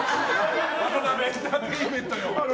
ワタナベエンターテインメントは。